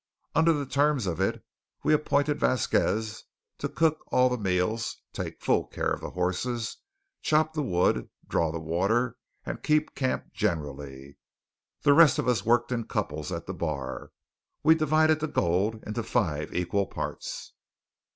Under the terms of it we appointed Vasquez to cook all the meals, take full care of the horses, chop the wood, draw the water, and keep camp generally. The rest of us worked in couples at the bar. We divided the gold into five equal parts.